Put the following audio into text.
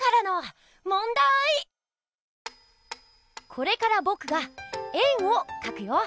これからぼくが円をかくよ。